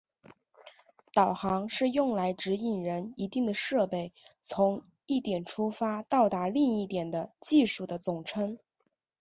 导航是用来指引人一定的设备从一点出发到达另一点的技术的总称。